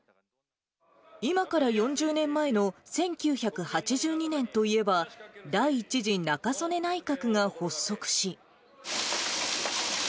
今から４０年前の１９８２年と言えば、第１次中曽根内閣が発足し。